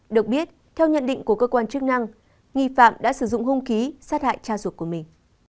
được biết theo nhận định của cơ quan chức năng nghi phạm đã sử dụng hung khí sát hại cha ruột của mình